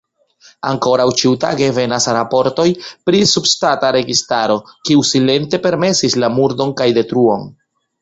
Ankoraŭ ĉiutage venas raportoj pri subŝtata registaro, kiu silente permesis la murdon kaj detruon.